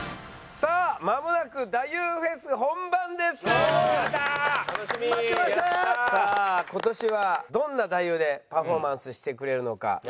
さあ今年はどんな太夫でパフォーマンスしてくれるのか楽しみですね。